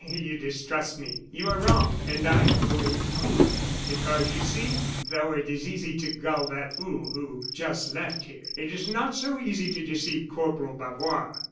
you distrust me! You are wrong; and I am going to prove it. Because, you see, though it is easy to gull that fool who just left here, it is not so easy to deceive Corporal Bavois.